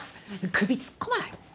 首突っ込まない！